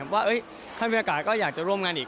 ว่าถ้ามีโอกาสก็อยากจะร่วมงานอีก